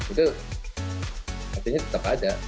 itu artinya tetap ada